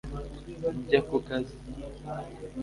njya ku kazi